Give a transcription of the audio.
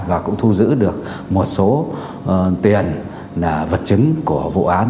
và cũng thu giữ được một số tiền là vật chứng của vụ án